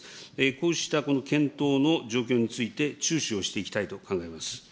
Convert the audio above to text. こうしたこの検討の状況について、注視をしていきたいと考えます。